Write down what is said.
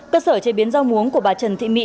cơ sở chế biến rau muống của bà trần thị mỹ